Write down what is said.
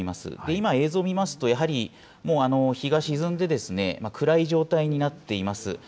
今、映像見ますと、やはり、もう日が沈んで、暗い状態になっています。